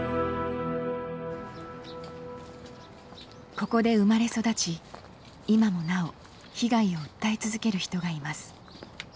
ここで生まれ育ち今もなお被害を訴え続ける人がいます。